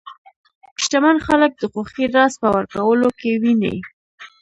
شتمن خلک د خوښۍ راز په ورکولو کې ویني.